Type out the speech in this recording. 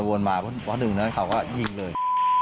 เพราะว่าหนึ่งเขาก็ยิงเลย